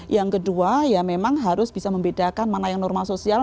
yang kedua ya memang harus bisa membedakan mana yang normal sosial